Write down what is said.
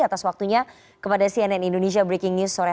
atas waktunya kepada cnn indonesia breaking news sore